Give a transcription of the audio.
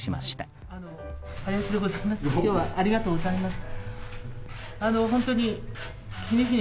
今日はありがとうございます。